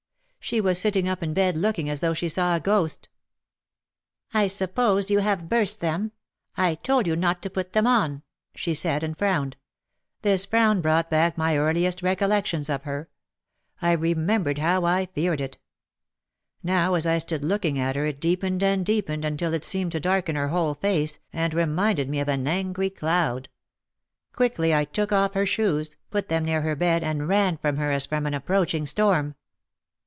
She was sitting up in bed looking as though she saw a ghost. "I suppose you have burst them. I told you not to put them on," she said and frowned. This frown brought back my earliest recollections of her. I remembered how I feared it. Now as I stood looking at her it deepened and deepened until it seemed to darken her whole face, and reminded me of an angry cloud. Quickly I took off her shoes, put them near her bed and ran from her as from an approaching storm.